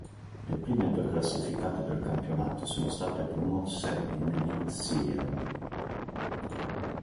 Le prime due classificate del campionato sono state promosse in Eliteserien.